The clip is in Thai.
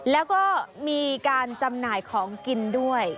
แล้วก็มีการจำหน่ายของกินด้วย